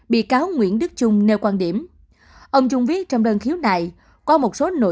bị cáo nguyễn đức chung nêu quan điểm